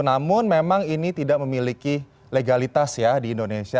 namun memang ini tidak memiliki legalitas ya di indonesia